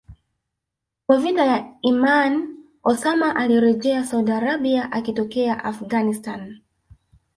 wa vita ya Imaan Osama alirejea Saudi Arabia akitokea Afghanistan